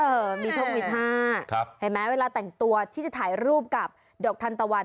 เออมีช่องวิท๕เห็นไหมเวลาแต่งตัวที่จะถ่ายรูปกับดอกทันตะวัน